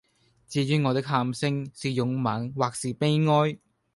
至于我的喊聲是勇猛或是悲哀，